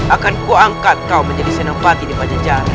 akan engkau diangkat menjadi senopati di pajajaran